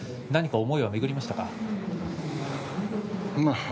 何か思いは巡りましたか。